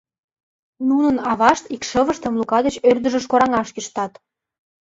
Нунын авашт икшывыштым Лука деч ӧрдыжыш кораҥаш кӱштат.